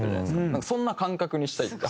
なんかそんな感覚にしたい。